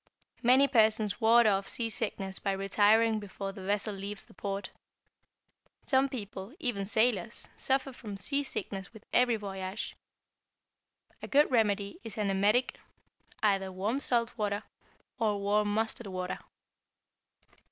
Many persons ward off seasickness by retiring before the vessel leaves the port. Some people, even sailors, suffer from seasickness with every voyage. A good remedy is an emetic, either warm salt water, or warm mustard water.